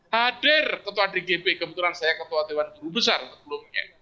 hadir ketua dgp kebetulan saya ketua dewan guru besar sebelumnya